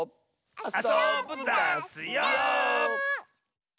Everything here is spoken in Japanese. あそぶダスよ！